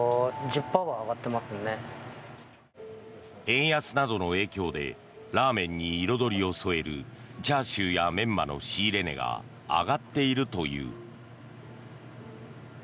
円安などの影響でラーメンに彩りを添えるチャーシューやメンマの仕入れ値が上がっているという。